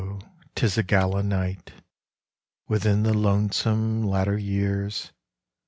'tis a gala nightWithin the lonesome latter years!